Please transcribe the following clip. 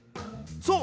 そう！